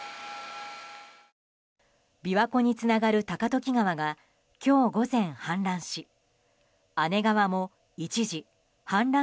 琵琶湖につながる高時川が今日午前、氾濫し姉川も一時氾濫